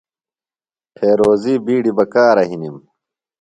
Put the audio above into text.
فیروزی بِیڈیۡ بکارہ ہِنم۔